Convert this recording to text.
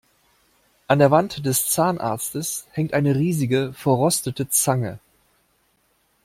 An der Wand des Zahnarztes hängt eine riesige, verrostete Zange.